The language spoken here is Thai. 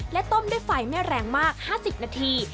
ต้มด้วยไฟไม่แรงมาก๕๐นาที